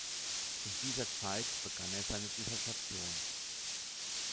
In dieser Zeit begann er seine Dissertation.